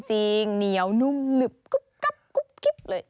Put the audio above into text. เหนียวนุ่มหนึบกุ๊บกิ๊บเลย